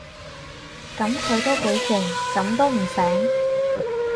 噉佢都幾勁，噉都唔醒